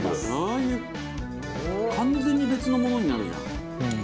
完全に別のものになるじゃん。